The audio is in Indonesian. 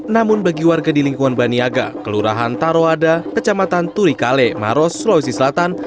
namun bagi warga di lingkungan baniaga kelurahan taroada kecamatan turikale maros sulawesi selatan